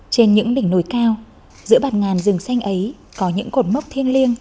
trên những đỉnh nổi cao giữa bạt ngàn rừng xanh ấy có những cột mốc thiên liêng